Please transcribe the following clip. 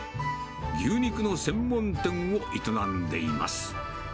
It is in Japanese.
牛肉の専門店を営んでいます。